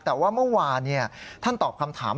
แต่ว่าเมื่อวานท่านตอบคำถาม